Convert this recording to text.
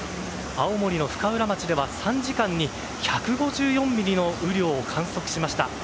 青森の深浦町では３時間に１５４ミリの雨量を観測しました。